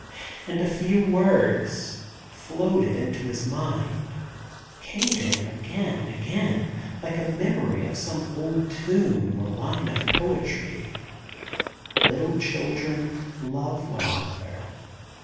... And a few words floated into his mind, came to him again and again, like a memory of some old tune, or line of poetry :* Little children, love one another